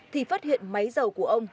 thì phát hiện máy dầu của ông